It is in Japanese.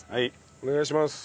お願いします。